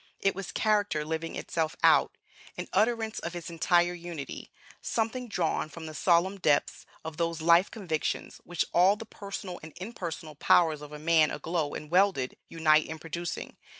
It was character living itself out, an utterance of its entire unity, something drawn from the solemn depths of those life convictions which all the personal and impersonal powers of a man, aglow and welded, unite in producing.